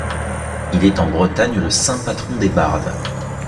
Il est en Bretagne le saint patron des bardes.